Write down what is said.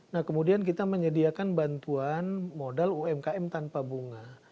nah kemudian kita menyediakan bantuan modal umkm tanpa bunga